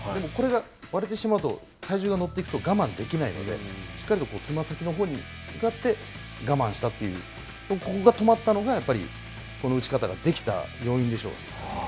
でも、これが割れてしまうと体重が乗っていくと我慢できないので、しっかりと、つま先のほうに向かって我慢したという、ここが止まったのが、やっぱりこの打ち方ができた要因でしょう。